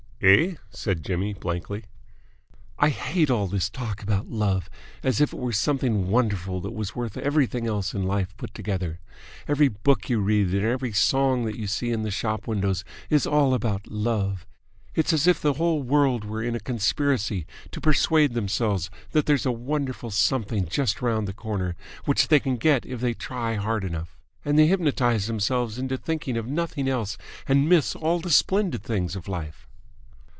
"Eh?" said Jimmy blankly. "I hate all this talk about Love, as if it were something wonderful that was worth everything else in life put together. Every book you read and every song that you see in the shop windows is all about Love. It's as if the whole world were in a conspiracy to persuade themselves that there's a wonderful something just round the corner which they can get if they try hard enough. And they hypnotise themselves into thinking of nothing else and miss all the splendid things of life."